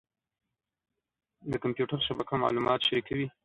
د کمپیوټر شبکه معلومات شریکوي.